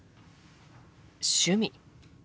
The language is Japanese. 「趣味」。